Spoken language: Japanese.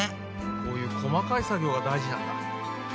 こういう細かい作業が大事なんだ。